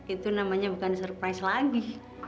itu namanya bukan surprise lagi